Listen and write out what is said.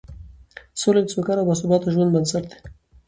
سوله د سوکاله او باثباته ژوند بنسټ دی